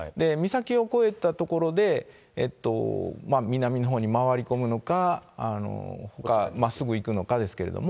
岬を越えた所で、南のほうに回り込むのか、まっすぐ行くのかですけど。